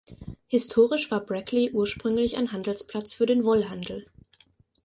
Historisch war Brackley ursprünglich ein Handelsplatz für den Wollhandel.